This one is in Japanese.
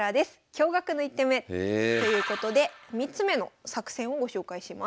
「驚がくの一手目！」ということで３つ目の作戦をご紹介します。